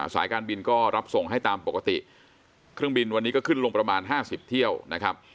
สายการบินก็รับส่งให้ตามปกติเครื่องบินวันนี้ก็ขึ้นลงประมาณ๕๐เที่ยวนะครับ